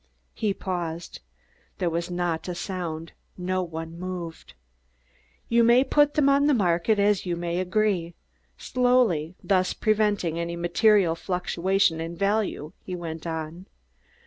_" He paused. There was not a sound; no one moved. "You may put them on the market as you may agree, slowly, thus preventing any material fluctuation in value," he went on.